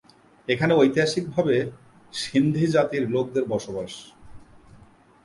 এখানে ঐতিহাসিকভাবে সিন্ধি জাতির লোকদের বাস।